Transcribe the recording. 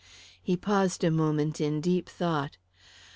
He paused a moment in deep thought.